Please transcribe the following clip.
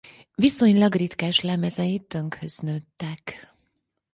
Viszonylag ritkás lemezei tönkhöz nőttek.